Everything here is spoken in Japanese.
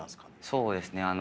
そうですね